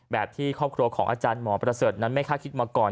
แบบที่ครอบครัวของอาจารย์หมอประเสริฐนั้นไม่คาดคิดมาก่อน